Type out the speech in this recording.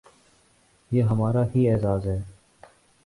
یہ ہمارا ہی اعزاز ہے۔